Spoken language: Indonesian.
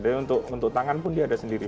jadi untuk tangan pun dia ada sendiri